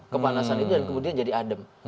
kepanasan itu dan kemudian jadi adem